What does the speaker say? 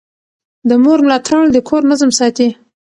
د مور ملاتړ د کور نظم ساتي.